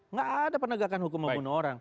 nggak ada penegakan hukum membunuh orang